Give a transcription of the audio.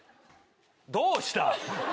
どうした！